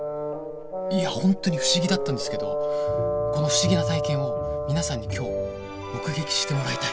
いや本当に不思議だったんですけどこの不思議な体験を皆さんに今日目撃してもらいたい！